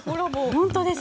本当です。